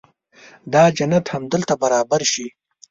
دا جنت همدلته برابر شي.